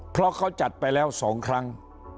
เพราะเขาจัดไปแล้ว๒ครั้ง